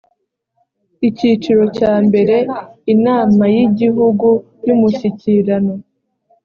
icyiciro cya mbere inamayigihugu yumushyikirano